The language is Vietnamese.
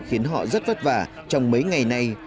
khiến họ rất vất vả trong mấy ngày nay